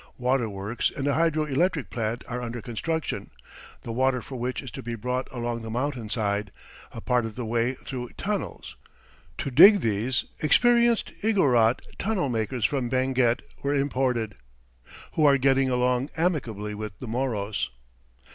Waterworks and a hydro electric plant are under construction, the water for which is to be brought along the mountainside, a part of the way through tunnels. To dig these, "experienced Igorot tunnel makers from Benguet were imported," who are getting along amicably with the Moros.